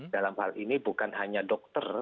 dalam hal ini bukan hanya dokter